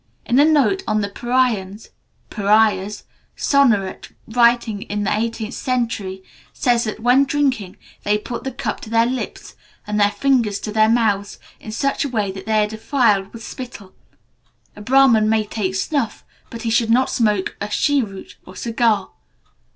In a note on the Paraiyans (Pariahs), Sonnerat, writing in the eighteenth century, says that, when drinking, they put the cup to their lips, and their fingers to their mouths, in such a way that they are defiled with the spittle. A Brahman may take snuff, but he should not smoke a cheroot or cigar.